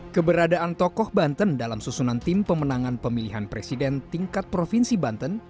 keberadaan tokoh banten dalam susunan tim pemenangan pemilihan presiden tingkat provinsi banten